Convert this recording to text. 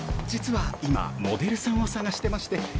実は今モデルさんを探してまして。